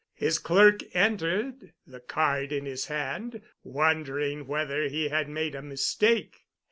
His clerk entered, the card in his hand, wondering whether he had made a mistake.